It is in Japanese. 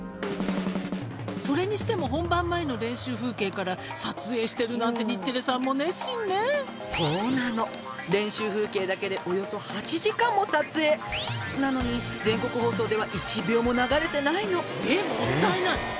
それにしても本番前の練習風景から撮影してるなんて日テレさんも熱心ねそうなの練習風景だけでおよそ８時間も撮影なのに全国放送では一秒も流れてないのえっもったいない！